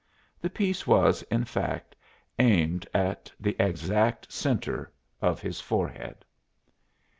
The piece was, in fact, aimed at the exact centre of his forehead.